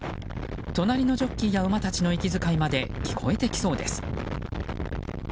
隣のジョッキーや馬たちの息遣いまで聞こえてきそうです。